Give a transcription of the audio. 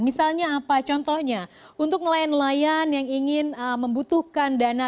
misalnya apa contohnya untuk nelayan nelayan yang ingin membutuhkan dana